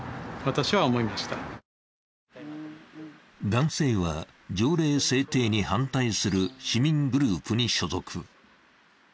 男性は条例制定に反対する市民グループに所属。